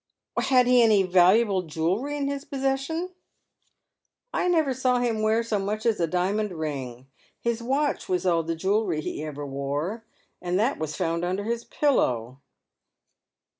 " Had he any valuable jewellery in ^is poeseesion ?" 350 Dead Men's lSho6i. "I never saw him wear so much as a diamond ring. Sis watch was all the jewellery he ever wore, and that was found under his pillow."